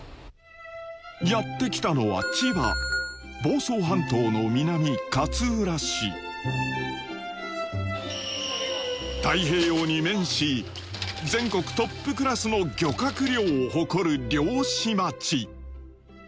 やって来たのは千葉房総半島の南勝浦市太平洋に面し全国トップクラスの漁獲量を誇る漁師町